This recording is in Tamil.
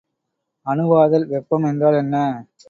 அணுவாதல் வெப்பம் என்றால் என்ன?